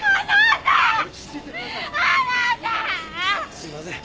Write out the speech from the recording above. すいません。